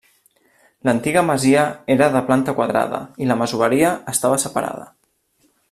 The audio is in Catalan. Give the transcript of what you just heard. L'antiga masia era de planta quadrada i la masoveria estava separada.